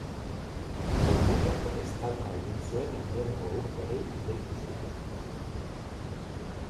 Burbuilak eztanda egin zuen ondorengo urteei deitu zieten.